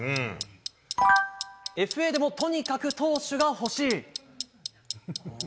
ＦＡでもとにかく投手が欲しい。